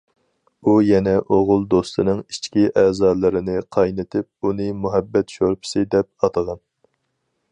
ئۇ يەنە ئوغۇل دوستىنىڭ ئىچكى ئەزالىرىنى قاينىتىپ ئۇنى« مۇھەببەت شورپىسى» دەپ ئاتىغان.